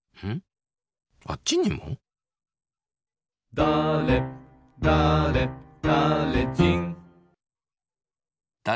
だれだれだれだれ